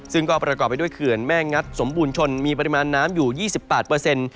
ซึ่งก็ประกอบไปด้วยเขื่อนแม่งัดสมบูรณชนมีปริมาณน้ำอยู่๒๘เปอร์เซ็นต์